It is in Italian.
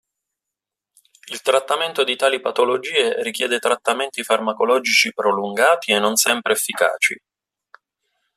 Il trattamento di tali patologie richiede trattamenti farmacologici prolungati e non sempre efficaci.